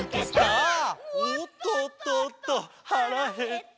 「おっとっとっとはらへった！」